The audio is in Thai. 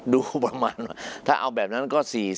ดูประมาณว่าถ้าเอาแบบนั้นก็๔๐